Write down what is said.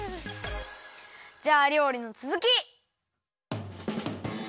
じゃありょうりのつづき！